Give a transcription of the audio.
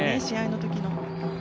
試合の時の。